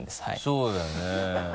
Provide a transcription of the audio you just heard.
そうだよね。